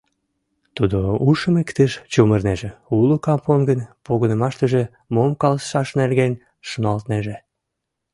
Тудо ушым иктыш чумырынеже, уло кампонгын погынымаштыже мом каласышаш нерген шоналтынеже.